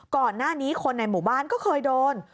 ก่อนหน้านี้คนในหมู่บ้านก็เคยโดน